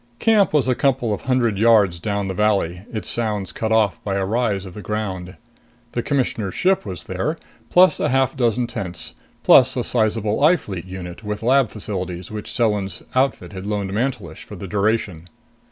Camp was a couple of hundred yards down the valley, its sounds cut off by a rise of the ground. The Commissioner's ship was there, plus a half dozen tents, plus a sizable I Fleet unit with lab facilities which Selan's outfit had loaned Mantelish for the duration.